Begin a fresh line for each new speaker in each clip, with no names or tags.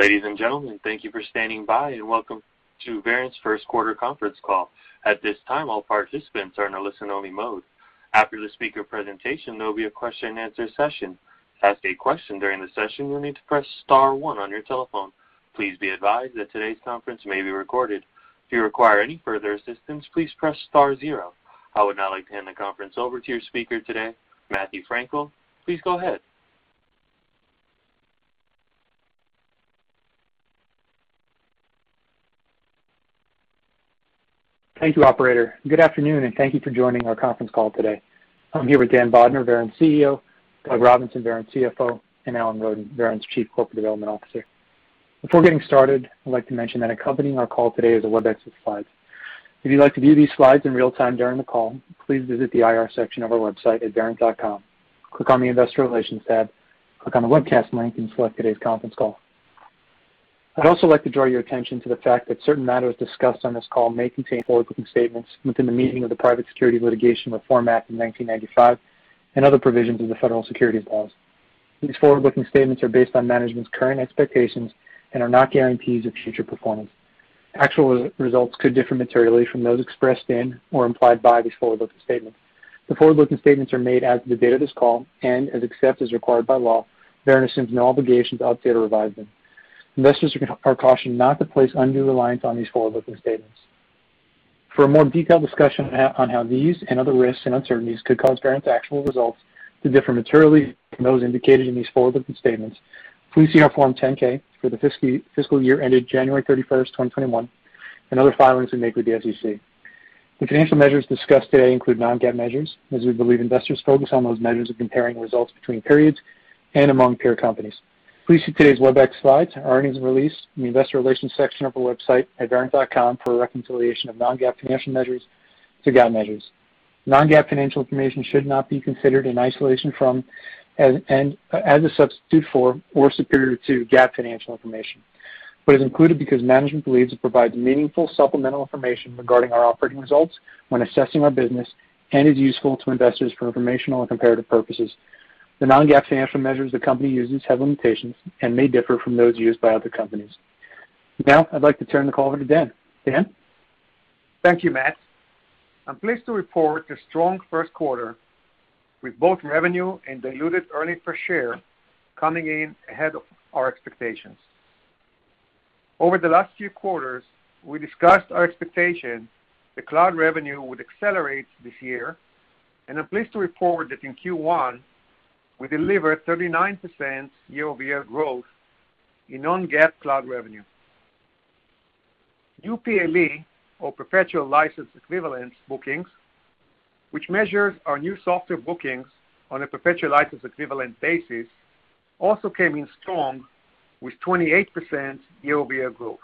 Ladies and gentlemen, thank you for standing by, and welcome to Verint's first quarter conference call. At this time, all participants are in a listen-only mode. After the speaker presentation, there'll be a question and answer session. To ask a question during the session, you'll need to press star one on your telephone. Please be advised that today's conference may be recorded. If you require any further assistance, please press star zero. I would now like to hand the conference over to your speaker today, Matthew Frankel. Please go ahead.
Thank you, operator. Good afternoon, thank you for joining our conference call today. I'm here with Dan Bodner, Verint's CEO, Doug Robinson, Verint's CFO, and Alan Roden, Verint's Chief Corporate Development Officer. Before getting started, I'd like to mention that accompanying our call today is a Webex with slides. If you'd like to view these slides in real time during the call, please visit the IR section of our website at verint.com. Click on the investor relations tab, click on the webcast link, and select today's conference call. I'd also like to draw your attention to the fact that certain matters discussed on this call may contain forward-looking statements within the meaning of the Private Securities Litigation Reform Act of 1995 and other provisions of the federal securities laws. These forward-looking statements are based on management's current expectations and are not guarantees of future performance. Actual results could differ materially from those expressed in or implied by these forward-looking statements. The forward-looking statements are made as of the date of this call and except as required by law, Verint assumes no obligation to update or revise them. Investors are cautioned not to place undue reliance on these forward-looking statements. For a more detailed discussion on how these and other risks and uncertainties could cause Verint's actual results to differ materially from those indicated in these forward-looking statements, please see our Form 10-K for the fiscal year ended January 31st, 2021, and other filings we make with the SEC. The financial measures discussed today include non-GAAP measures as we believe investors focus on those measures when comparing results between periods and among peer companies. Please see today's Webex slides and earnings release in the investor relations section of our website at verint.com for a reconciliation of non-GAAP financial measures to GAAP measures. Non-GAAP financial information should not be considered in isolation from, as a substitute for, or superior to GAAP financial information, but is included because management believes it provide meaningful supplemental information regarding our operating results when assessing our business and is useful to investors for informational and comparative purposes. The non-GAAP financial measures the company uses have limitations and may differ from those used by other companies. I'd like to turn the call over to Dan. Dan?
Thank you, Matt. I'm pleased to report a strong first quarter with both revenue and diluted earnings per share coming in ahead of our expectations. Over the last few quarters, we discussed our expectation that cloud revenue would accelerate this year, and I'm pleased to report that in Q1, we delivered 39% year-over-year growth in non-GAAP cloud revenue. New PLE or perpetual license equivalents bookings, which measures our new software bookings on a perpetual license equivalent basis, also came in strong with 28% year-over-year growth.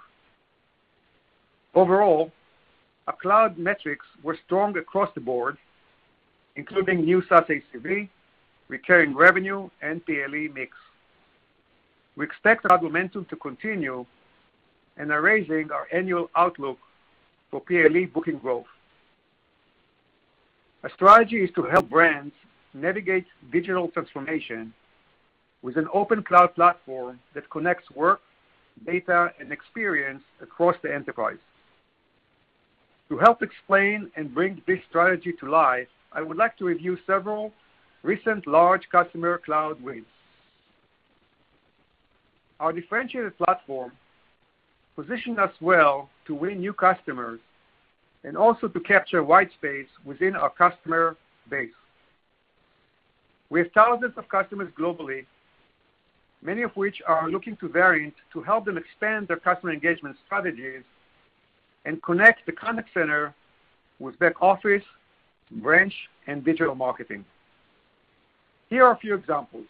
Overall, our cloud metrics were strong across the board, including new SaaS ACV, recurring revenue, and PLE mix. We expect our momentum to continue and are raising our annual outlook for PLE booking growth. Our strategy is to help brands navigate digital transformation with an open cloud platform that connects work, data, and experience across the enterprise. To help explain and bring this strategy to life, I would like to review several recent large customer cloud wins. Our differentiated platform positioned us well to win new customers and also to capture white space within our customer base. We have thousands of customers globally, many of which are looking to Verint to help them expand their customer engagement strategies and connect the contact center with back office, branch, and digital marketing. Here are a few examples.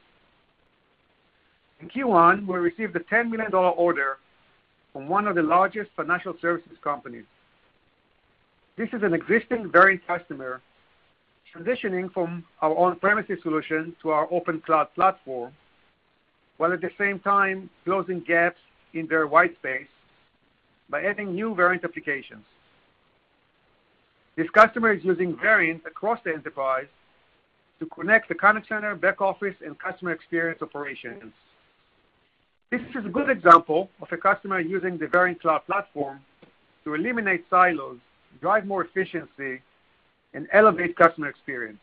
In Q1, we received a $10 million order from one of the largest financial services companies. This is an existing Verint customer transitioning from our on-premise solution to our open cloud platform, while at the same time closing gaps in their white space by adding new Verint applications. This customer is using Verint across the enterprise to connect the contact center, back office, and customer experience operations. This is a good example of a customer using the Verint cloud platform to eliminate silos, drive more efficiency, and elevate customer experience.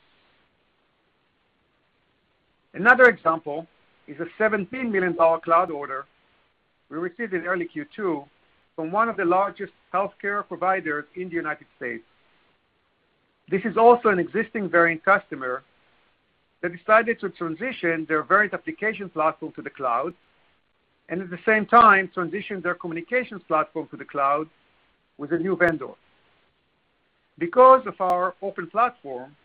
Another example is a $17 million cloud order we received in early Q2 from one of the largest healthcare providers in the United States. This is also an existing Verint customer that decided to transition their Verint application platform to the cloud, and at the same time transition their communications platform to the cloud with a new vendor. Because of our open platform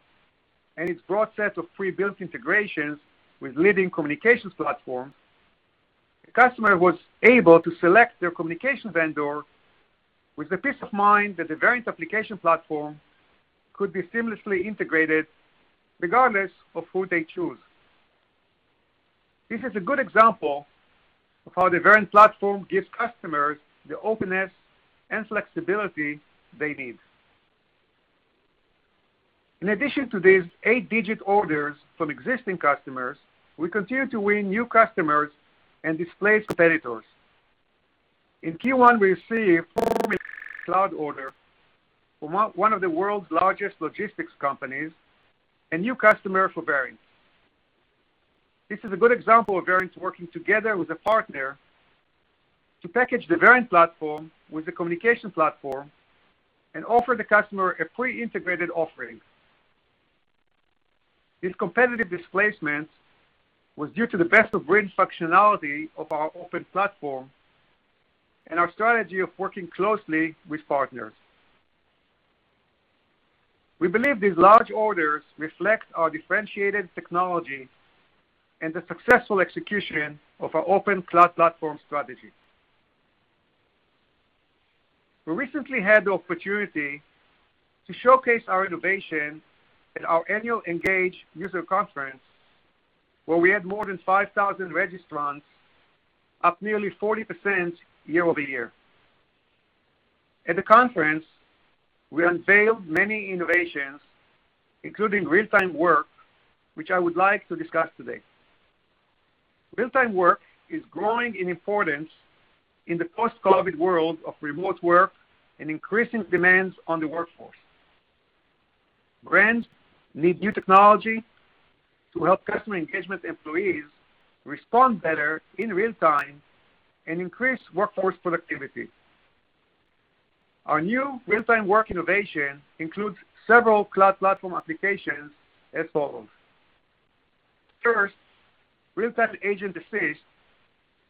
and its broad set of pre-built integrations with leading communications platforms, the customer was able to select their communications vendor with the peace of mind that the Verint application platform could be seamlessly integrated regardless of who they choose. This is a good example of how the Verint platform gives customers the openness and flexibility they need. In addition to these eight-digit orders from existing customers, we continue to win new customers and displace competitors. In Q1, we received [inaudible] cloud order from one of the world's largest logistics companies, a new customer for Verint. This is a good example of Verint working together with a partner to package the Verint platform with the communication platform and offer the customer a pre-integrated offering. This competitive displacement was due to the best-of-breed functionality of our open platform and our strategy of working closely with partners. We believe these large orders reflect our differentiated technology and the successful execution of our open cloud platform strategy. We recently had the opportunity to showcase our innovation at our annual Engage User Conference, where we had more than 5,000 registrants, up nearly 40% year-over-year. At the conference, we unveiled many innovations, including real-time work, which I would like to discuss today. Real-time work is growing in importance in the post-COVID world of remote work and increasing demands on the workforce. Brands need new technology to help customer engagement employees respond better in real time and increase workforce productivity. Our new real-time work innovation includes several cloud platform applications as follows. First, real-time agent assist,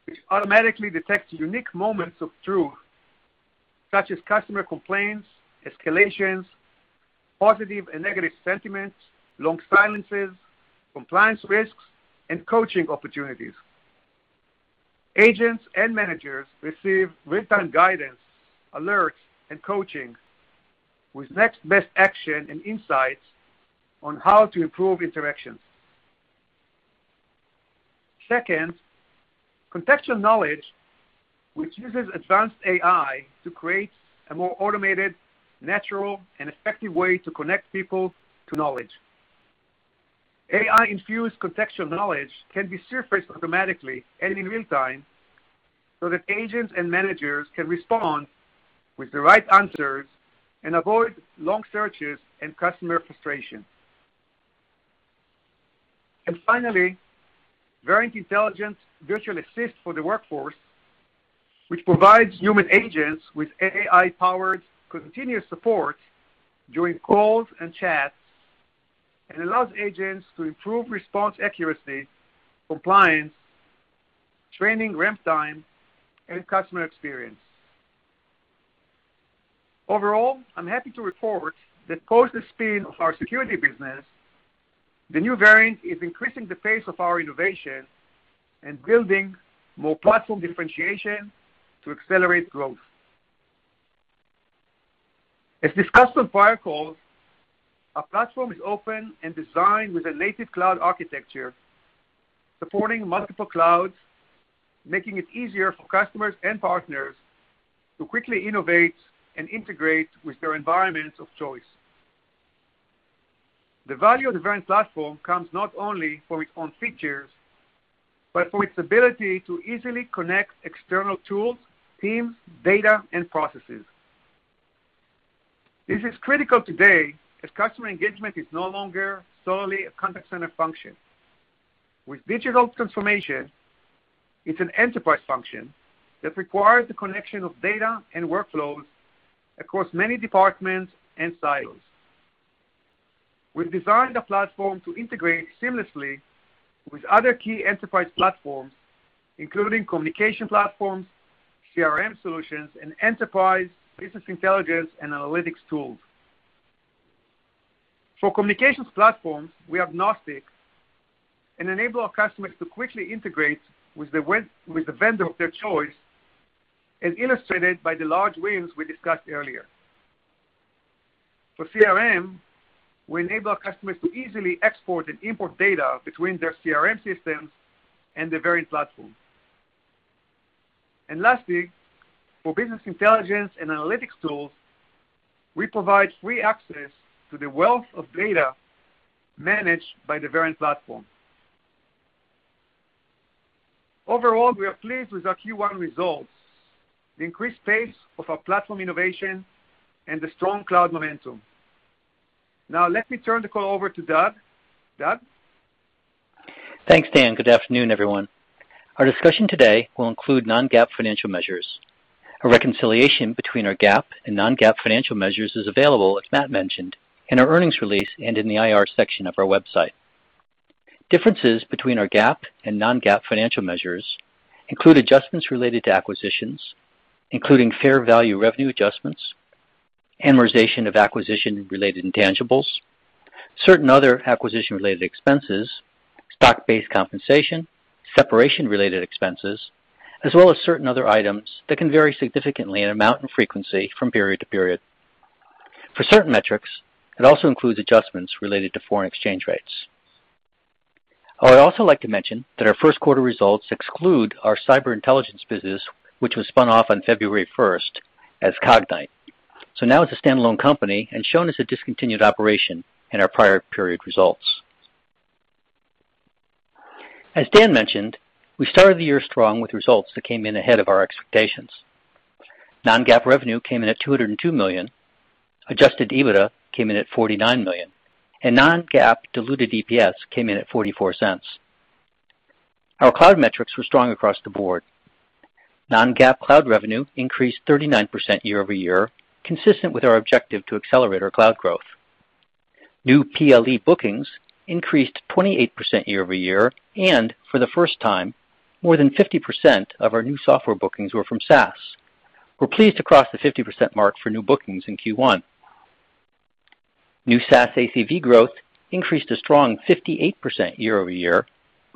which automatically detects unique moments of truth, such as customer complaints, escalations, positive and negative sentiments, long silences, compliance risks, and coaching opportunities. Agents and managers receive real-time guidance, alerts, and coaching with next best action and insights on how to improve interactions. Second, contextual knowledge, which uses advanced AI to create a more automated, natural, and effective way to connect people to knowledge. AI-infused contextual knowledge can be surfaced automatically and in real time so that agents and managers can respond with the right answers and avoid long searches and customer frustration. Finally, Verint Intelligent Virtual Assistant for the workforce, which provides human agents with AI-powered continuous support during calls and chats and allows agents to improve response accuracy, compliance, training ramp time, and customer experience. Overall, I'm happy to report that post the spin of our security business, the new Verint is increasing the pace of our innovation and building more platform differentiation to accelerate growth. As discussed on prior calls, our platform is open and designed with a native cloud architecture, supporting multiple clouds, making it easier for customers and partners to quickly innovate and integrate with their environments of choice. The value of the Verint platform comes not only for its own features, but for its ability to easily connect external tools, teams, data, and processes. This is critical today as customer engagement is no longer solely a contact center function. With digital transformation, it's an enterprise function that requires the connection of data and workflows across many departments and silos. We've designed our platform to integrate seamlessly with other key enterprise platforms, including communication platforms, CRM solutions, and enterprise business intelligence and analytics tools. For communications platforms, we are agnostic and enable our customers to quickly integrate with the vendor of their choice, as illustrated by the large wins we discussed earlier. For CRM, we enable our customers to easily export and import data between their CRM systems and the Verint platform. Lastly, for business intelligence and analytics tools, we provide free access to the wealth of data managed by the Verint platform. Overall, we are pleased with our Q1 results, the increased pace of our platform innovation, and the strong cloud momentum. Now, let me turn the call over to Doug. Doug?
Thanks, Dan. Good afternoon, everyone. Our discussion today will include non-GAAP financial measures. A reconciliation between our GAAP and non-GAAP financial measures is available, as Matt mentioned, in our earnings release and in the IR section of our website. Differences between our GAAP and non-GAAP financial measures include adjustments related to acquisitions, including fair value revenue adjustments, amortization of acquisition-related intangibles, certain other acquisition-related expenses, stock-based compensation, separation-related expenses, as well as certain other items that can vary significantly in amount and frequency from period to period. For certain metrics, it also includes adjustments related to foreign exchange rates. I would also like to mention that our first quarter results exclude our cyber intelligence business, which was spun off on February 1st as Cognyte. Now it's a standalone company and shown as a discontinued operation in our prior period results. As Dan mentioned, we started the year strong with results that came in ahead of our expectations. Non-GAAP revenue came in at $202 million, adjusted EBITDA came in at $49 million, non-GAAP diluted EPS came in at $0.44. Our cloud metrics were strong across the board. Non-GAAP cloud revenue increased 39% year-over-year, consistent with our objective to accelerate our cloud growth. New PLE bookings increased 28% year-over-year, for the first time, more than 50% of our new software bookings were from SaaS. We're pleased to cross the 50% mark for new bookings in Q1. New SaaS ACV growth increased a strong 58% year-over-year,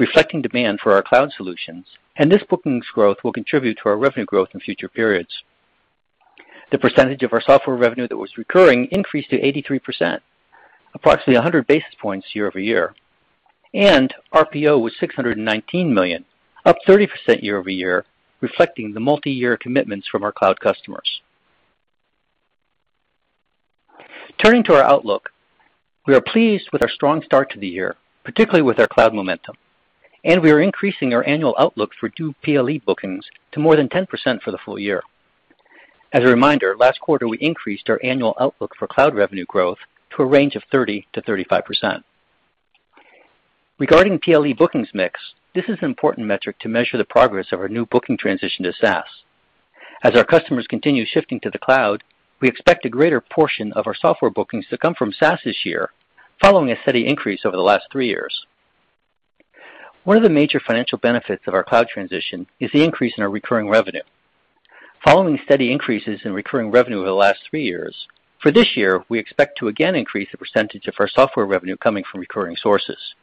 reflecting demand for our cloud solutions, this bookings growth will contribute to our revenue growth in future periods. The percentage of our software revenue that was recurring increased to 83%, approximately 100 basis points year-over-year, and RPO was $619 million, up 30% year-over-year, reflecting the multi-year commitments from our cloud customers. Turning to our outlook, we are pleased with our strong start to the year, particularly with our cloud momentum, and we are increasing our annual outlook for new PLE bookings to more than 10% for the full year. As a reminder, last quarter we increased our annual outlook for cloud revenue growth to a range of 30%-35%. Regarding PLE bookings mix, this is an important metric to measure the progress of our new booking transition to SaaS. As our customers continue shifting to the cloud, we expect a greater portion of our software bookings to come from SaaS this year, following a steady increase over the last three years. One of the major financial benefits of our cloud transition is the increase in our recurring revenue. Following steady increases in recurring revenue over the last three years, for this year, we expect to again increase the percentage of our software revenue coming from recurring sources.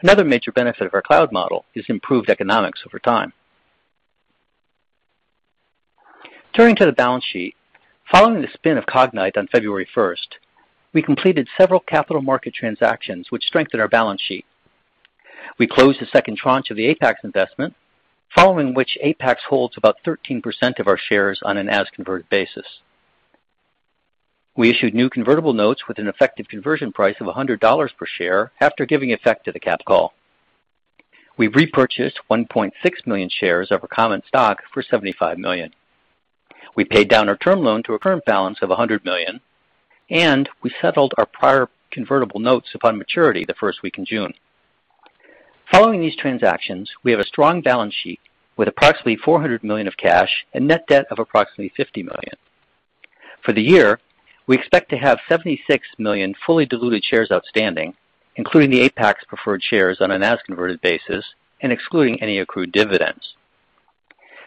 Another major benefit of our cloud model is improved economics over time. Turning to the balance sheet, following the spin of Cognyte on February 1st, we completed several capital market transactions which strengthened our balance sheet. We closed the second tranche of the Apax investment, following which Apax holds about 13% of our shares on an as-converted basis. We issued new convertible notes with an effective conversion price of $100 per share after giving effect to the cap call. We repurchased 1.6 million shares of our common stock for $75 million. We paid down our term loan to a current balance of $100 million, and we settled our prior convertible notes upon maturity the first week in June. Following these transactions, we have a strong balance sheet with approximately $400 million of cash and net debt of approximately $50 million. For the year, we expect to have 76 million fully diluted shares outstanding, including the Apax preferred shares on an as-converted basis and excluding any accrued dividends.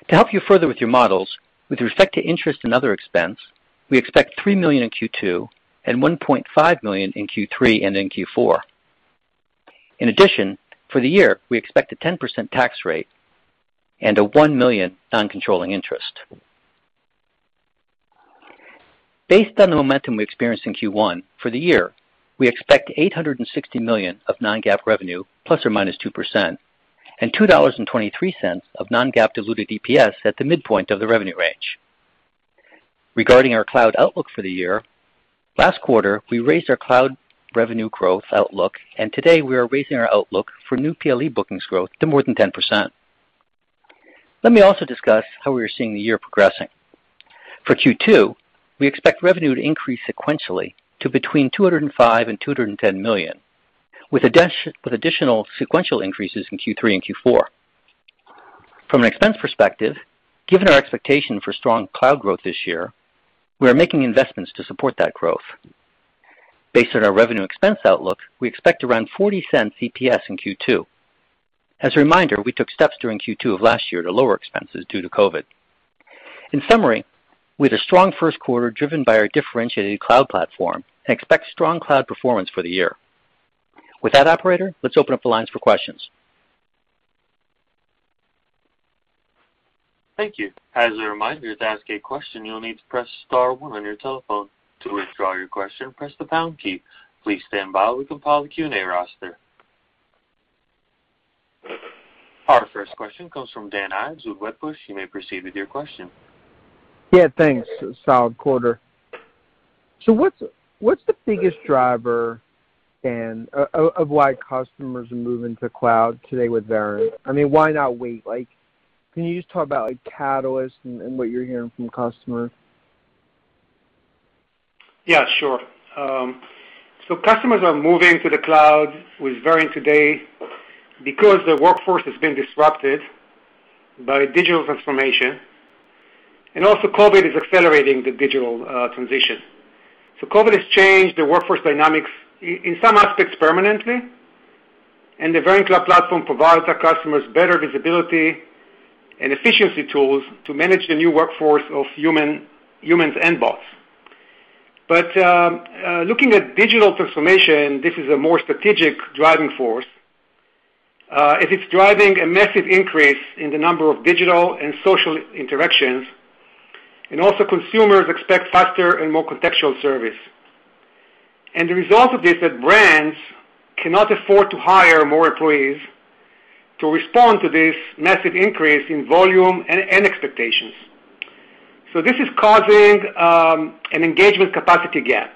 To help you further with your models, with respect to interest and other expense, we expect $3 million in Q2 and $1.5 million in Q3 and in Q4. In addition, for the year, we expect a 10% tax rate and a $1 million non-controlling interest. Based on the momentum we experienced in Q1, for the year, we expect $860 million of non-GAAP revenue, ±2%, and $2.23 of non-GAAP diluted EPS at the midpoint of the revenue range. Regarding our cloud outlook for the year, last quarter, we raised our cloud revenue growth outlook, today we are raising our outlook for new PLE bookings growth to more than 10%. Let me also discuss how we are seeing the year progressing. For Q2, we expect revenue to increase sequentially to between $205 million and $210 million, with additional sequential increases in Q3 and Q4. From an expense perspective, given our expectation for strong cloud growth this year, we are making investments to support that growth. Based on our revenue expense outlook, we expect around $0.40 EPS in Q2. As a reminder, we took steps during Q2 of last year to lower expenses due to COVID. In summary, we had a strong first quarter driven by our differentiated cloud platform and expect strong cloud performance for the year. With that, operator, let's open up the lines for questions.
Thank you. Our first question comes from Dan Ives with Wedbush. You may proceed with your question.
Yeah, thanks. Solid quarter. So what’s the biggest driver of why customers move into cloud today with their, I mean, why not wait? Can you talk about a catalyst and, you know, from your customer.
Customers are moving to the cloud with Verint today because the workforce has been disrupted by digital transformation, and also COVID is accelerating the digital transition. COVID has changed the workforce dynamics in some aspects permanently, and the Verint Cloud platform provides our customers better visibility and efficiency tools to manage the new workforce of humans and bots. Looking at digital transformation, this is a more strategic driving force. It is driving a massive increase in the number of digital and social interactions. Also consumers expect faster and more contextual service. The result of this is that brands cannot afford to hire more employees to respond to this massive increase in volume and expectations. This is causing an engagement capacity gap.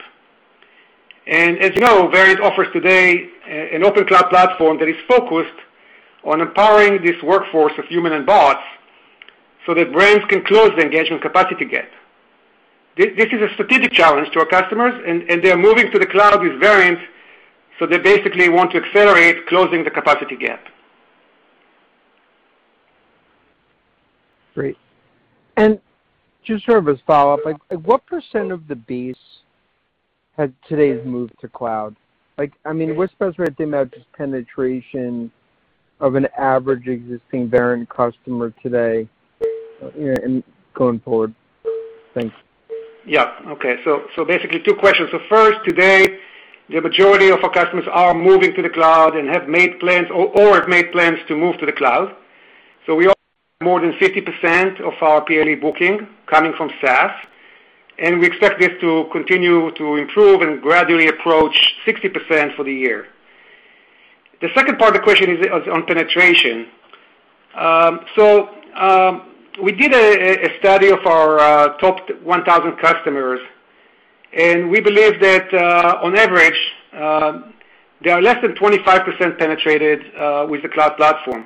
As you know, Verint offers today an open cloud platform that is focused on empowering this workforce of human and bots so that brands can close the engagement capacity gap. This is a strategic challenge to our customers, and they're moving to the cloud with Verint, so they basically want to accelerate closing the capacity gap.
Great. Just sort of as follow-up, what percent of the base has today moved to cloud? What percent is penetration of an average existing Verint customer today and going forward? Thanks.
Okay, basically two questions. First, today, the majority of our customers are moving to the cloud or have made plans to move to the cloud. We also have more than 50% of our yearly booking coming from SaaS, and we expect this to continue to improve and gradually approach 60% for the year. The second part of the question is on penetration. We did a study of our top 1,000 customers, and we believe that, on average, they are less than 25% penetrated with the cloud platform.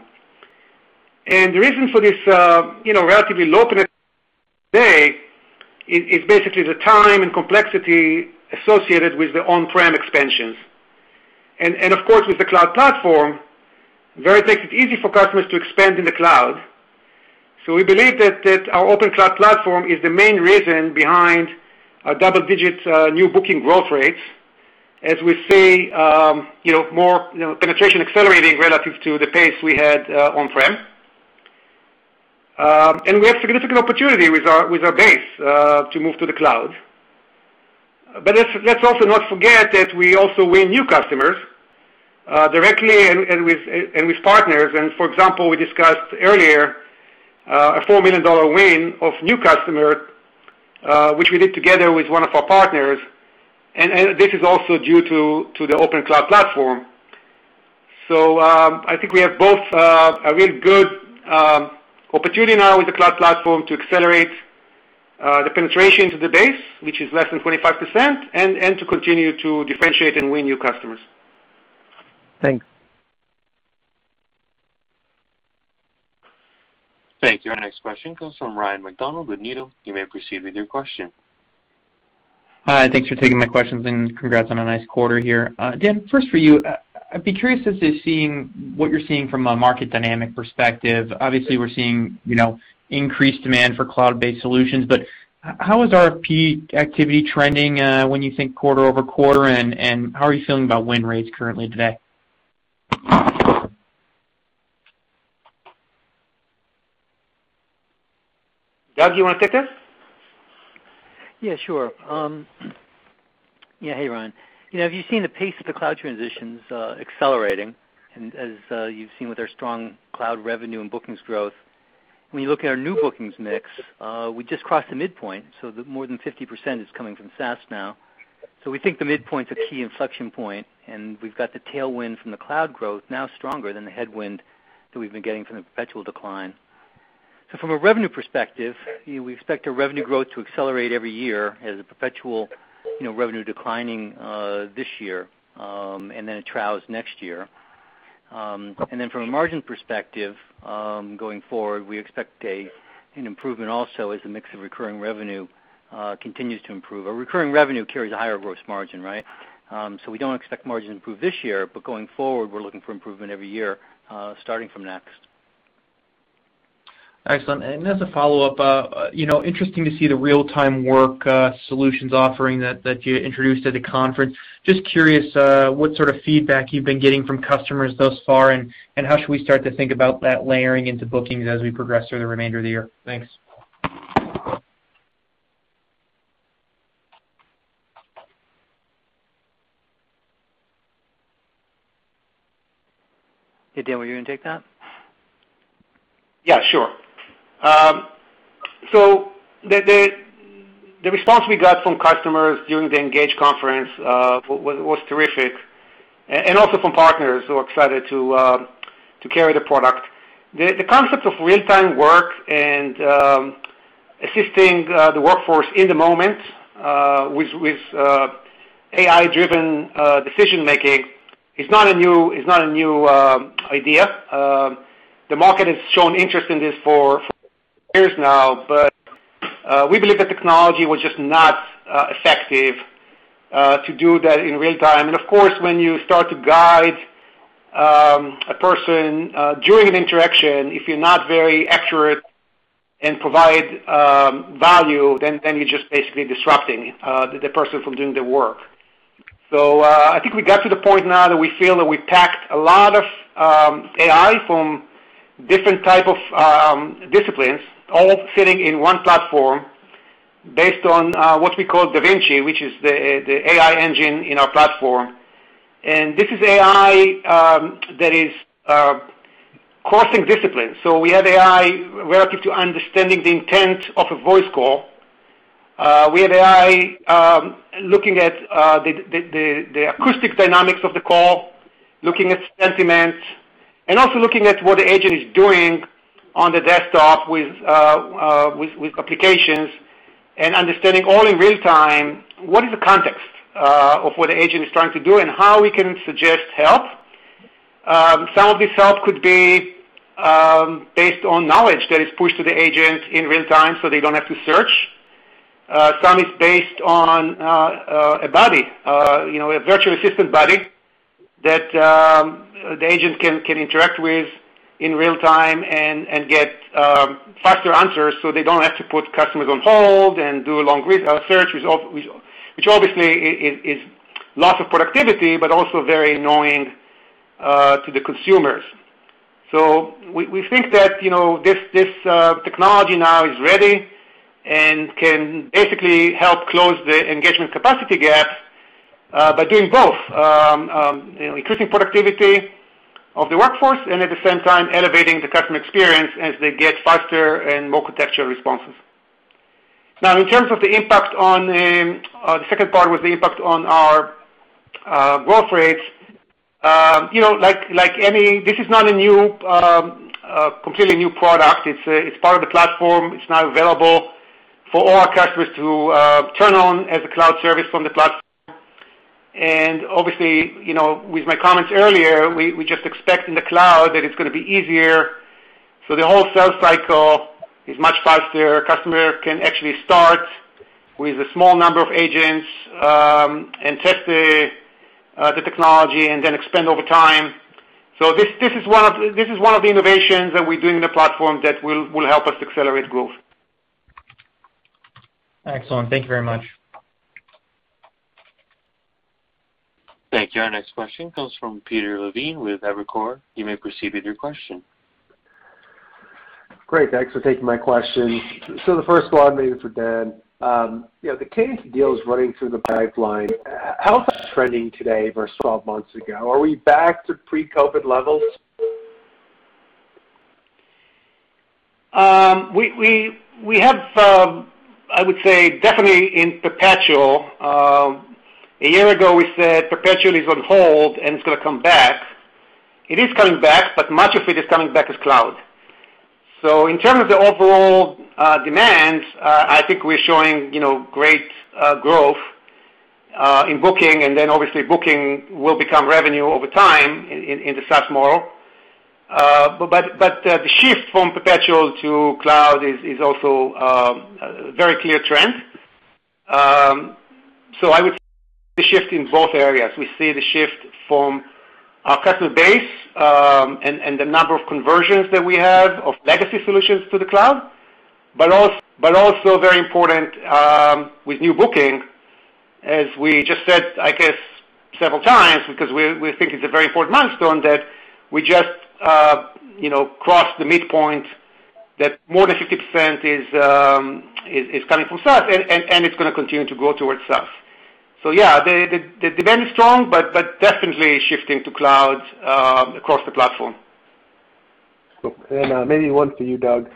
The reason for this relatively low penetration today is basically the time and complexity associated with the on-prem expansions. Of course, with the cloud platform, Verint makes it easy for customers to expand in the cloud. We believe that our open cloud platform is the main reason behind our double-digits new booking growth rates, as we see penetration accelerating relative to the pace we had on-prem. We have significant opportunity with our base to move to the cloud. Let's also not forget that we also win new customers, directly and with partners. For example, we discussed earlier a $4 million win of new customer, which we did together with one of our partners. This is also due to the open cloud platform. I think we have both a real good opportunity now with the cloud platform to accelerate the penetration into the base, which is less than 25%, and to continue to differentiate and win new customers.
Thanks.
Thanks. Your next question comes from Ryan MacDonald with Needham. You may proceed with your question.
Hi, thanks for taking my questions and congrats on a nice quarter here. Dan, first for you, I'd be curious as to what you're seeing from a market dynamic perspective. Obviously, we're seeing increased demand for cloud-based solutions. How is RFP activity trending when you think quarter-over-quarter, and how are you feeling about win rates currently today?
Doug, do you want to take this?
Hey, Ryan. You've seen the pace of the cloud transitions accelerating as you've seen with our strong cloud revenue and bookings growth. When you look at our new bookings mix, we just crossed the midpoint, so more than 50% is coming from SaaS now. We think the midpoint's a key inflection point, and we've got the tailwind from the cloud growth now stronger than the headwind that we've been getting from perpetual decline. From a revenue perspective, we expect our revenue growth to accelerate every year as perpetual revenue declining this year, and then it troughs next year. From a margin perspective, going forward, we expect an improvement also as the mix of recurring revenue continues to improve. Our recurring revenue carries a higher gross margin. We don't expect margin improve this year, but going forward, we're looking for improvement every year starting from next.
Excellent. As a follow-up, interesting to see the real-time work solutions offering that you introduced at a conference. Just curious what sort of feedback you've been getting from customers thus far, and how should we start to think about that layering into bookings as we progress through the remainder of the year? Thanks.
Hey, Dan, will you take that?
Yeah, sure. The response we got from customers during the Verint Engage conference was terrific, and also from partners who are excited to carry the product. The concept of real-time work and assisting the workforce in the moment, with AI-driven decision-making is not a new idea. The market has shown interest in this for years now, we believe the technology was just not effective to do that in real-time. Of course, when you start to guide a person during an interaction, if you're not very accurate and provide value, then you're just basically disrupting the person from doing the work. I think we got to the point now that we feel that we packed a lot of AI from different type of disciplines all sitting in one platform based on what we call Da Vinci, which is the AI engine in our platform. This is AI that is crossing disciplines. We have AI relative to understanding the intent of a voice call. We have AI looking at the acoustic dynamics of the call, looking at sentiment, and also looking at what the agent is doing on the desktop with applications and understanding all in real-time, what is the context of what the agent is trying to do and how we can suggest help. Some of this help could be based on knowledge that is pushed to the agent in real-time, so they don't have to search. Some is based on a buddy, a virtual assistant buddy that the agent can interact with in real-time and get faster answers, so they don't have to put customers on hold and do a long research, which obviously is loss of productivity, but also very annoying to the consumers. We think that this technology now is ready and can basically help close the engagement capacity gap by doing both, increasing productivity of the workforce and at the same time elevating the customer experience as they get faster and more contextual responses. In terms of the impact on the second part was the impact on our growth rates. This is not a completely new product. It's part of the platform. It's now available for all our customers who turn on as a cloud service from the platform. Obviously, with my comments earlier, we just expect in the cloud that it's going to be easier. The whole sales cycle is much faster. Customer can actually start with a small number of agents and test the technology and then expand over time. This is one of the innovations that we do in the platform that will help us accelerate growth.
Excellent. Thank you very much.
Thank you. Our next question comes from Peter Levine with Evercore. You may proceed with your question.
Great. Thanks for taking my question. The first one maybe is for Dan. The case deals running through the pipeline, how is that trending today versus 12 months ago? Are we back to pre-COVID levels?
We have some, I would say definitely in perpetual. A year ago, we said perpetual is on hold and it's going to come back. It is coming back, but much of it is coming back as cloud. In terms of the overall demand, I think we're showing great growth in booking, and then obviously booking will become revenue over time in the SaaS model. The shift from perpetual to cloud is also a very clear trend. I would say we see the shift in both areas. We see the shift from our customer base and the number of conversions that we have of legacy solutions to the cloud. Also very important with new booking, as we just said, I guess, several times, because we think it's a very important milestone that we just crossed the midpoint, that more than 50% is coming from SaaS, and it's going to continue to go towards SaaS. Yeah, the demand is strong, but definitely shifting to cloud across the platform.
Cool. Maybe one for you, Doug.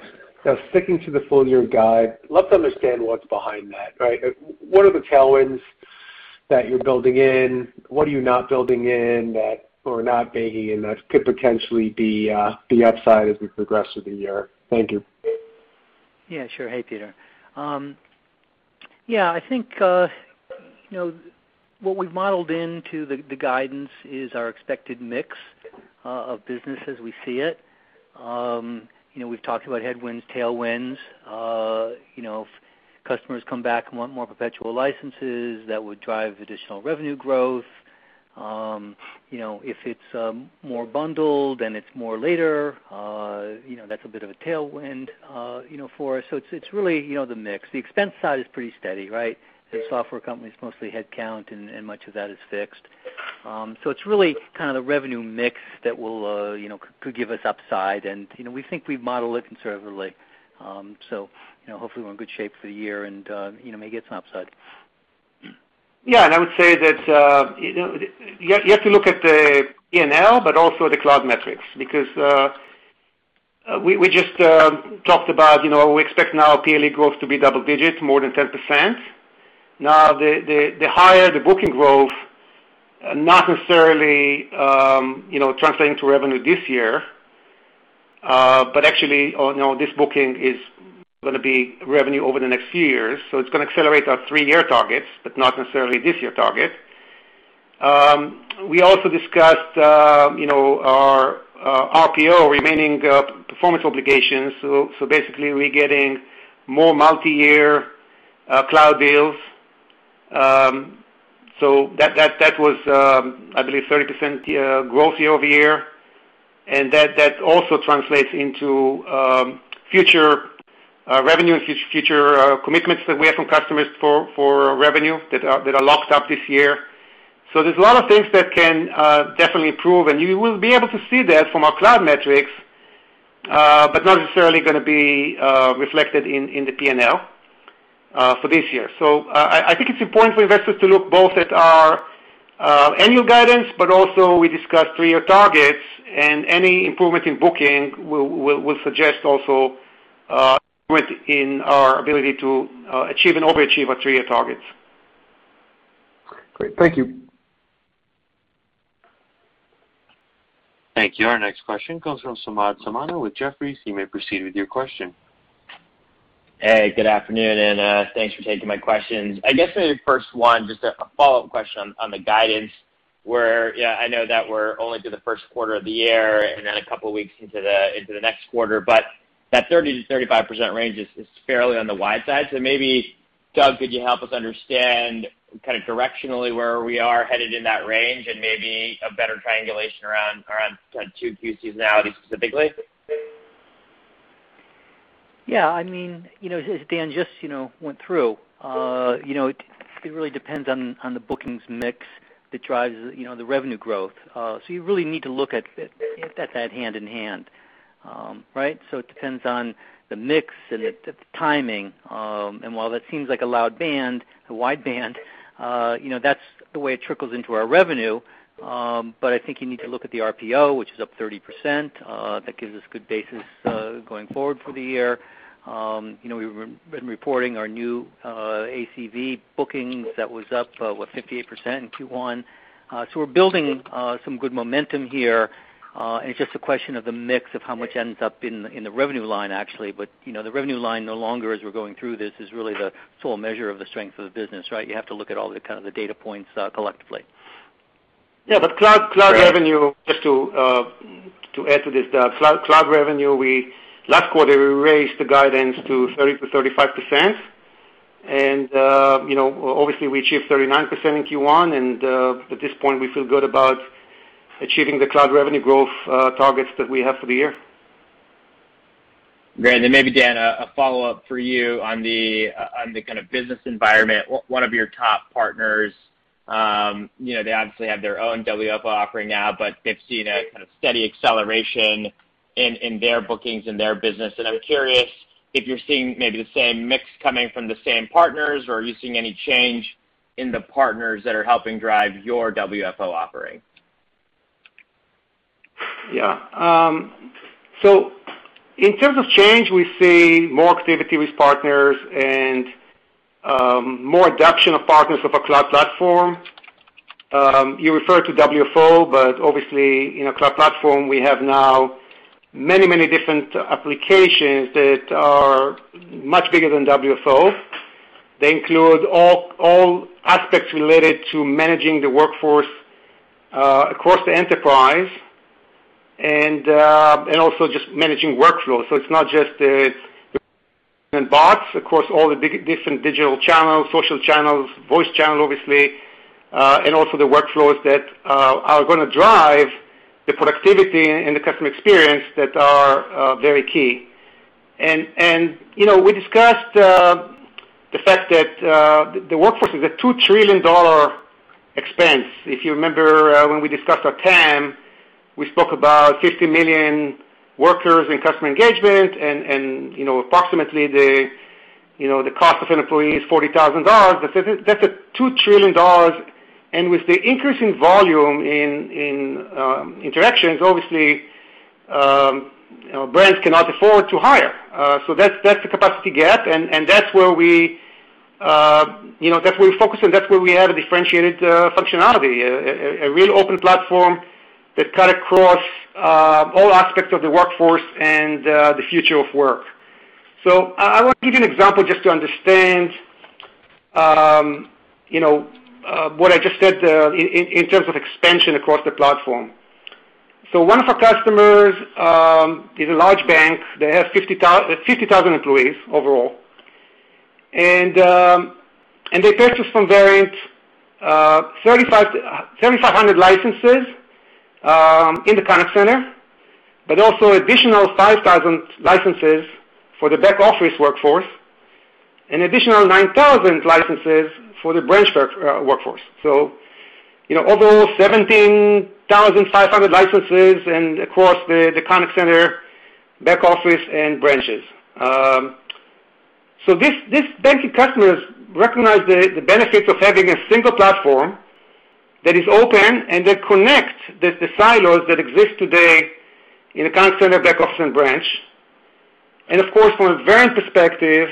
Sticking to the full year guide, let's understand what's behind that, right? What are the tailwinds that you're building in? What are you not building in or not baking in that could potentially be upside as we progress through the year? Thank you.
Yeah, sure. Hey, Peter. I think what we've modeled into the guidance is our expected mix of business as we see it. We've talked about headwinds, tailwinds. If customers come back and want more perpetual licenses, that would drive additional revenue growth. If it's more bundled, it's more later. That's a bit of a tailwind for us. It's really the mix. The expense side is pretty steady, right? The software company is mostly headcount, and much of that is fixed. It's really the revenue mix that could give us upside, and we think we model it conservatively. Hopefully we're in good shape for the year and maybe it's an upside.
I would say that you have to look at the P&L but also the cloud metrics, because we just talked about we expect now yearly growth to be double digits, more than 10%. The higher the booking growth, not necessarily translating to revenue this year. Actually, this booking is going to be revenue over the next year, so it's going to accelerate our three year targets, but not necessarily this year target. We also discussed our RPO remaining performance obligations. Basically, we're getting more multi-year cloud deals. That was, I believe, 30% year-over-year, and that also translates into future revenue, future commitments that we have from customers for revenue that are locked up this year. There's a lot of things that can definitely improve, and you will be able to see that from our cloud metrics but not necessarily going to be reflected in the P&L for this year. I think it's important for investors to look both at our annual guidance, but also we discussed three-year targets and any improvement in booking will suggest also improvement in our ability to achieve and overachieve our three-year targets.
Great. Thank you.
Thank you. Our next question comes from Samad Samana with Jefferies. You may proceed with your question.
Hey, good afternoon, and thanks for taking my questions. I guess maybe the first one, just a follow-up question on the guidance where I know that we're only through the first quarter of the year and then a couple of weeks into the next quarter, but that 30%-35% range is fairly on the wide side. Maybe, Doug, could you help us understand directionally where we are headed in that range and maybe a better triangulation around two quarters out is the big way?
Yeah. As Dan just went through, it really depends on the bookings mix that drives the revenue growth. You really need to look at that hand in hand, right? It depends on the mix and the timing. While that seems like a loud band, it's a wide band that's the way it trickles into our revenue. I think you need to look at the RPO, which is up 30%. That gives us good basis going forward for the year. We've been reporting our new ACV bookings that was up, what, 58% in Q1. We're building some good momentum here. It's just a question of the mix of how much ends up in the revenue line, actually. The revenue line no longer as we're going through this is really the sole measure of the strength of the business, right? You have to look at all the data points collectively.
Cloud revenue, just to add to this, cloud revenue, last quarter we raised the guidance to 30%-35%. Obviously we achieved 39% in Q1. At this point we feel good about achieving the cloud revenue growth targets that we have for the year.
Great. Maybe Dan, a follow-up for you on the kind of business environment. One of your top partners they obviously have their own WFO offering now, but they've seen a steady acceleration in their bookings in their business. I'm curious if you're seeing maybe the same mix coming from the same partners or are you seeing any change in the partners that are helping drive your WFO offering?
Yeah. In terms of change, we see more activity with partners and more adoption of partners of our cloud platform. You referred to WFO, obviously in our cloud platform we have now many different applications that are much bigger than WFO. They include all aspects related to managing the workforce across the enterprise and also just managing workflows. It's not just the bots across all the different digital channels, social channels, voice channels obviously and also the workflows that are going to drive the productivity and the customer experience that are very key. We discussed the fact that the workforce is a $2 trillion expense. If you remember when we discussed our TAM, we spoke about 50 million workers in customer engagement and approximately the cost of an employee is $40,000. That's a $2 trillion and with the increase in volume in interactions obviously brands cannot afford to hire. That's the capacity gap and that's where we focus and that's where we have a differentiated functionality. A real open platform that cut across all aspects of the workforce and the future of work. I will give you an example just to understand what I just said in terms of expansion across the platform. One of our customers is a large bank. They have 50,000 employees overall. They purchased from Verint 3,500 licenses in the contact center, but also additional 5,000 licenses for the back office workforce and additional 9,000 licenses for the branch workforce. Although 17,500 licenses and across the contact center back office and branches. This banking customers recognize the benefit of having a single platform that is open and that connects the silos that exist today in a contact center back office and branch. Of course from a Verint perspective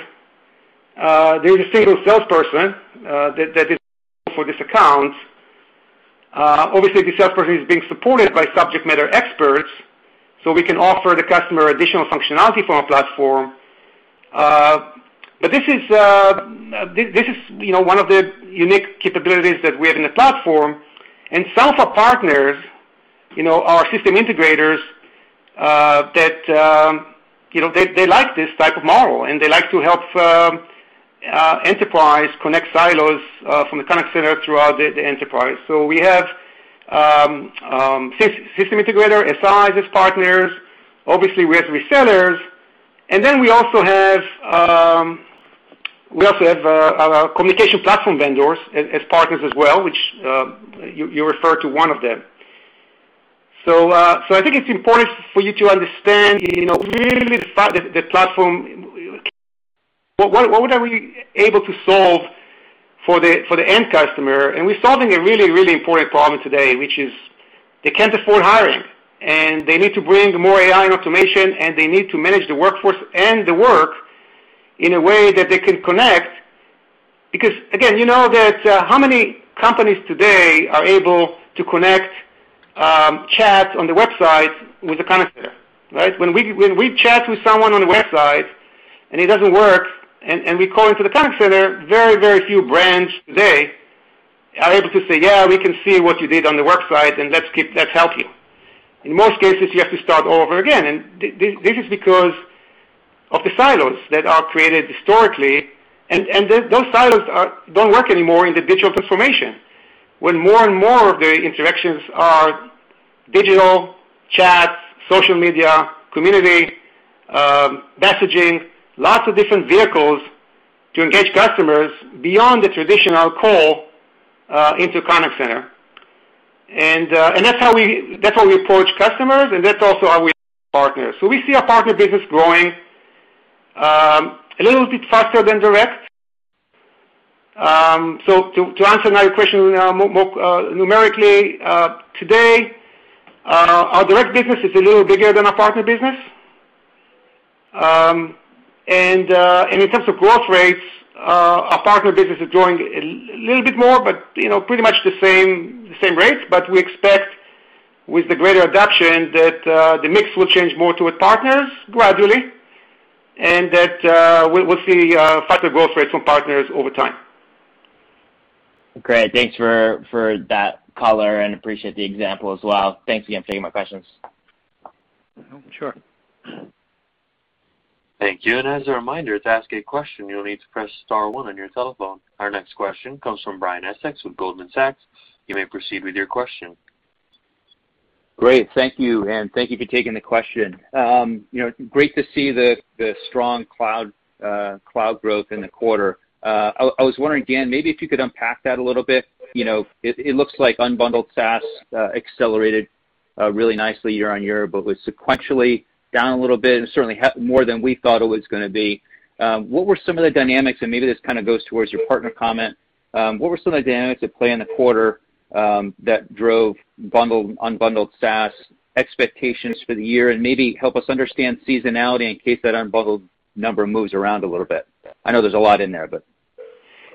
there's a single salesperson that is responsible for this account. Obviously this salesperson is being supported by subject matter experts so we can offer the customer additional functionality for our platform. This is one of the unique capabilities that we have in the platform and some of our partners are system integrators that they like this type of model and they like to help enterprise connect silos from the contact center throughout the enterprise. We have system integrator, SI as partners. Obviously we have resellers and then we also have communication platform vendors as partners as well which you referred to one of them. I think it's important for you to understand really the platform, what are we able to solve for the end customer. We're solving a really important problem today, which is they can't afford hiring. They need to bring more AI and automation. They need to manage the workforce and the work in a way that they can connect. Again, how many companies today are able to connect chat on their website with a contact center? When we chat with someone on the website and it doesn't work, and we call into the contact center, very few brands today are able to say, "Yeah, we can see what you did on the website, and let's help you." In most cases, you have to start all over again, this is because of the silos that are created historically, those silos don't work anymore in the digital transformation. When more and more of the interactions are digital, chat, social media, community, messaging, lots of different vehicles to engage customers beyond the traditional call into a contact center. That's how we approach customers, that's also how we approach partners. We see our partner business growing a little bit faster than direct. To answer another question numerically, today our direct business is a little bigger than our partner business. In terms of growth rates, our partner business is growing a little bit more, but pretty much the same rates, but we expect with the greater adoption that the mix will change more toward partners gradually, and that we'll see faster growth rates from partners over time.
Great. Thanks for that color and appreciate the example as well. Thanks again for taking my questions.
Sure.
Thank you. As a reminder, to ask a question, you'll need to press star one on your telephone. Our next question comes from Brian Essex with Goldman Sachs. You may proceed with your question.
Great. Thank you, thank you for taking the question. Great to see the strong cloud growth in the quarter. I was wondering, Dan, maybe if you could unpack that a little bit. It looks like unbundled SaaS accelerated really nicely year-over-year, but was sequentially down a little bit and certainly more than we thought it was going to be. What were some of the dynamics, and maybe this goes towards your partner comment, what were some of the dynamics at play in the quarter that drove unbundled SaaS expectations for the year? Maybe help us understand seasonality in case that unbundled number moves around a little bit. I know there's a lot in there.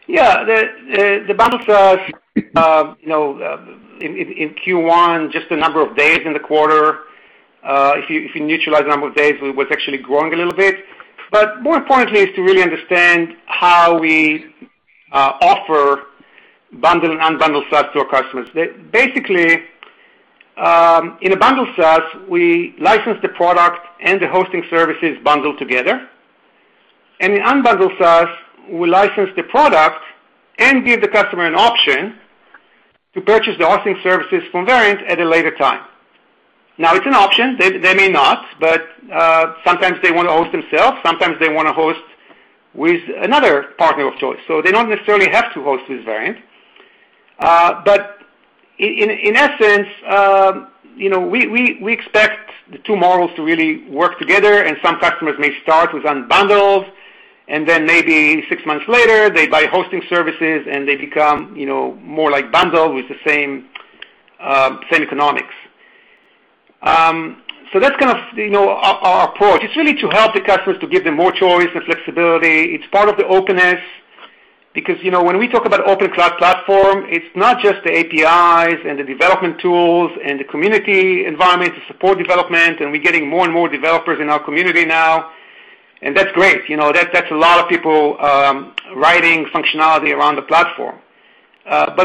The bundled SaaS in Q1, just the number of days in the quarter, if you neutralize the number of days, it was actually growing a little bit. More importantly is to really understand how we offer bundled and unbundled SaaS to our customers. Basically, in a bundled SaaS, we license the product and the hosting services bundled together, and in unbundled SaaS, we license the product and give the customer an option to purchase the hosting services from Verint at a later time. It's an option. They may not, sometimes they want to host themselves, sometimes they want to host with another partner of choice. They don't necessarily have to host with Verint. In essence, we expect the two models to really work together, and some customers may start with unbundled, and then maybe six months later, they buy hosting services, and they become more like bundled with the same economics. That's our approach. It's really to help the customers, to give them more choice and flexibility. It's part of the openness because when we talk about open cloud platform, it's not just the APIs and the development tools and the community environment to support development, and we're getting more and more developers in our community now, and that's great. That's a lot of people writing functionality around the platform.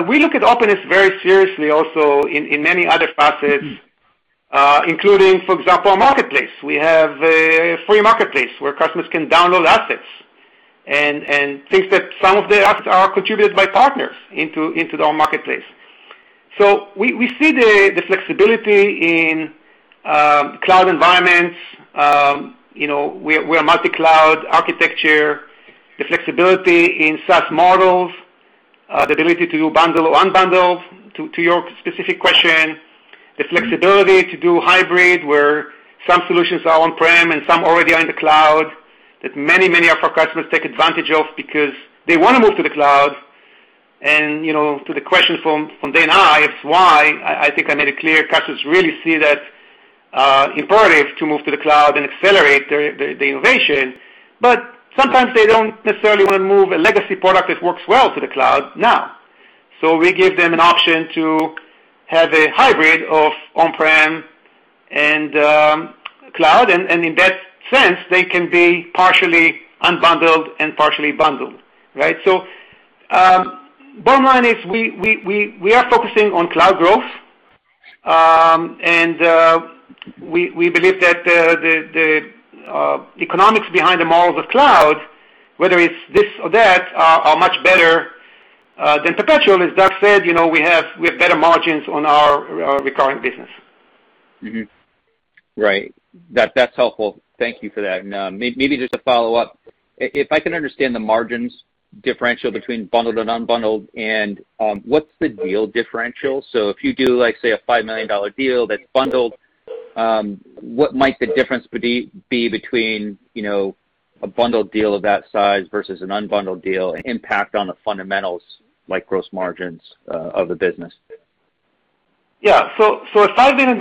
We look at openness very seriously also in many other facets including, for example, our marketplace. We have a free marketplace where customers can download assets and things that some of them are contributed by partners into our marketplace. We see the flexibility in cloud environments. We're a multi-cloud architecture. The flexibility in SaaS models, the ability to do bundled or unbundled, to your specific question. The flexibility to do hybrid, where some solutions are on-prem and some already are in the cloud that many of our customers take advantage of because they want to move to the cloud. To the question from Dan Ives why, I think I made it clear customers really see that imperative to move to the cloud and accelerate their innovation. Sometimes they don't necessarily want to move a legacy product that works well to the cloud now. We give them an option to have a hybrid of on-prem and cloud, and in that sense, they can be partially unbundled and partially bundled. Right? Bottom line is we are focusing on cloud growth. We believe that the economics behind the model of the cloud, whether it's this or that, are much better than perpetual. As Doug said, we have better margins on our recurring business.
Right. That's helpful. Thank you for that. Maybe just a follow-up. If I can understand the margins differential between bundled and unbundled, and what's the deal differential? If you do, say, a $5 million deal that's bundled, what might the difference be between a bundled deal of that size versus an unbundled deal impact on the fundamentals like gross margins of the business?
A $5 million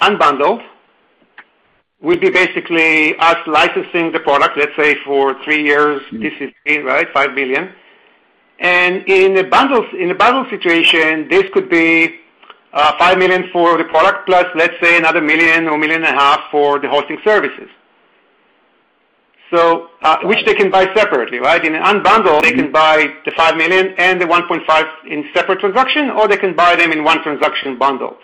unbundled, we do basically us licensing the product, let's say, for three years, this is it, $5 million. In a bundled situation, this could be $5 million for the product plus, let's say, another $1 million or $1.5 million for the hosting services. Which they can buy separately. In unbundled, they can buy the $5 million and the $1.5 million in separate transaction, or they can buy them in one transaction bundled.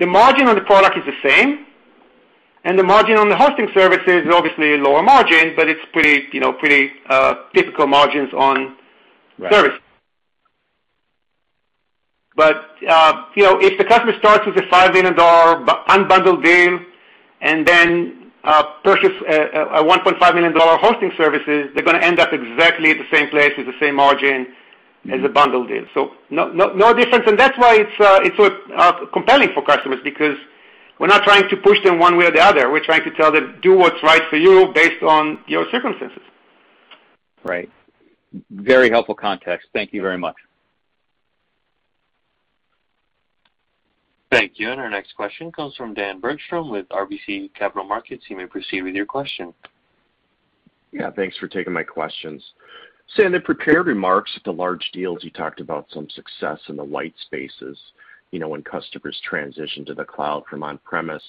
The margin on the product is the same, and the margin on the hosting service is obviously a lower margin, but it's pretty typical margins on services. If the customer starts with a $5 million unbundled deal and then purchase a $1.5 million hosting services, they're going to end up exactly at the same place with the same margin as a bundled deal. No difference, and that's why it's compelling for customers because we're not trying to push them one way or the other. We're trying to tell them, do what's right for you based on your circumstances.
Right. Very helpful context. Thank you very much.
Thank you. Our next question comes from Dan Bergstrom with RBC Capital Markets. You may proceed with your question.
Yeah, thanks for taking my questions. Dan, your remarks at the large deals, you talked about some success in the white spaces, when customers transition to the cloud from on-premise.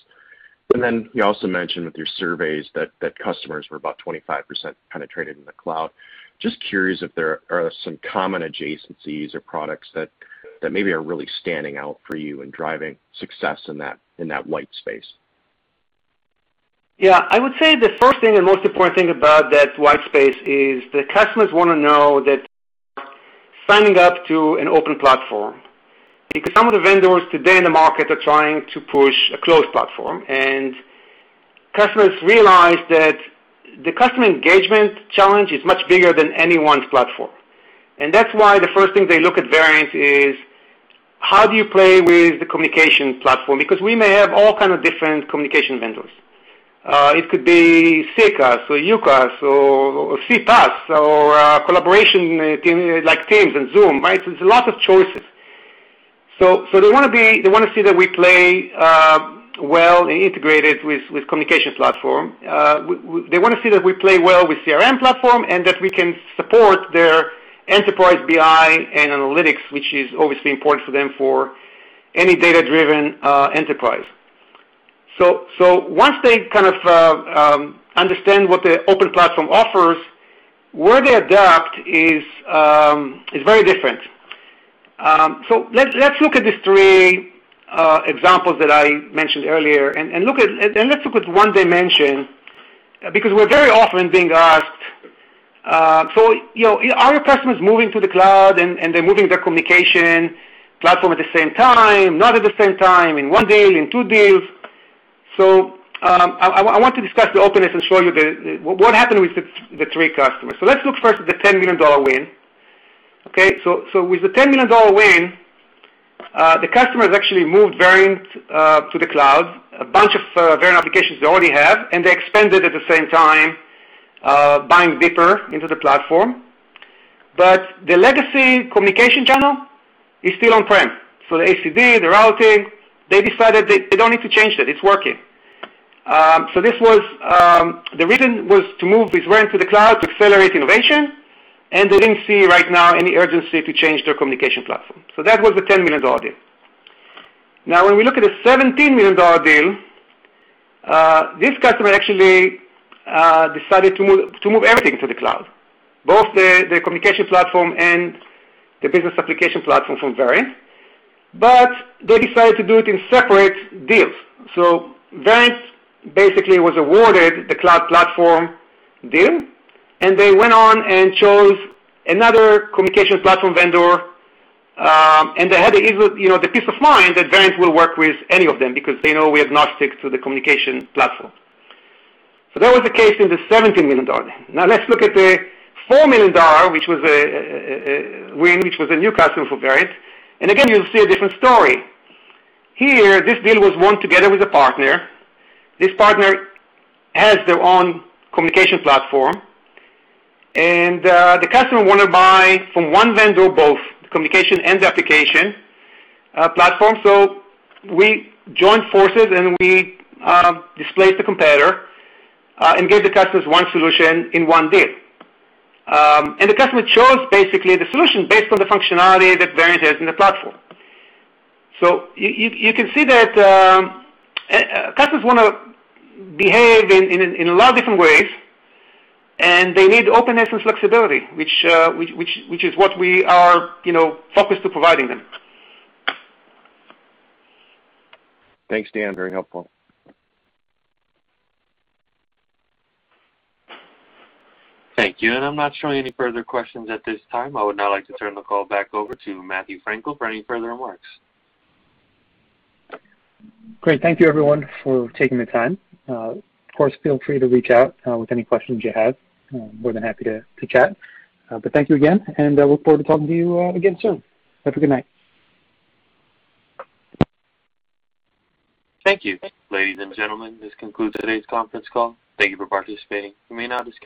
You also mentioned with your surveys that customers were about 25% penetrated in the cloud. Just curious if there are some common adjacencies or products that maybe are really standing out for you and driving success in that white space?
Yeah. I would say the first thing and most important thing about that white space is that customers want to know that they are signing up to an open platform because some of the vendors today in the market are trying to push a closed platform. Customers realize that the customer engagement challenge is much bigger than any one platform. That's why the first thing they look at Verint is how do you play with the communication platform? Because we may have all kinds of different communication vendors. It could be CCaaS or UCaaS or CPaaS or collaboration like Teams and Zoom. It's a lot of choices. They want to see that we play well integrated with communication platform. They want to see that we play well with CRM platform and that we can support their enterprise BI and analytics, which is obviously important for them for any data-driven enterprise. Once they kind of understand what the open platform offers, where they adapt is very different. Let's look at these three examples that I mentioned earlier, and let's look at one dimension because we're very often being asked, Are customers moving to the cloud and they're moving their communication platform at the same time? Not at the same time, in one deal, in two deals? I want to discuss the openness and show you what happened with the three customers. Let's look first at the $10 million win. Okay. With the $10 million win, the customers actually moved Verint to the cloud, a bunch of Verint applications they already have, and they expanded at the same time buying deeper into the platform. The legacy communication channel is still on-prem. The ACD, the routing, they decided they don't need to change that. It's working. The reason was to move Verint to the cloud to accelerate innovation, and they didn't see right now any urgency to change their communication platform. That was the $10 million deal. Now, when we look at the $17 million deal, this customer actually decided to move everything to the cloud, both the communication platform and the business application platform from Verint. They decided to do it in separate deals. Verint basically was awarded the cloud platform deal, and they went on and chose another communication platform vendor, and they had the peace of mind that Verint will work with any of them because they know we have not sticked to the communication platform. That was the case in the $17 million. Now let's look at the $4 million, which was a win, which was a new customer for Verint. Again, you'll see a different story. Here, this deal was won together with a partner. This partner has their own communication platform, and the customer want to buy from one vendor both communication and application platform. We joined forces and we displaced the competitor and gave the customers one solution in one deal. The customer chose basically the solution based on the functionality that Verint has in the platform. You can see that customers want to behave in a lot of different ways, and they need openness and flexibility, which is what we are focused to providing them.
Thanks, Dan. Very helpful.
Thank you. I'm not showing any further questions at this time. I would now like to turn the call back over to Matthew Frankel for any further remarks.
Great. Thank you everyone for taking the time. Of course, feel free to reach out with any questions you have. More than happy to chat. Thank you again, and I look forward to talking to you again soon. Have a good night.
Thank you. Ladies and gentlemen, this concludes today's conference call. Thank you for participating. You may now disconnect.